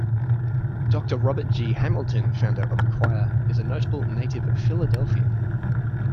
Doctor Robert G. Hamilton, founder of the choir, is a notable native Philadelphian.